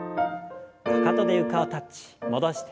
かかとで床をタッチ戻して。